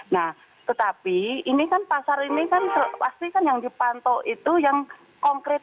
nah tetapi ini kan pasar ini kan pasti kan yang dipantau itu yang konkret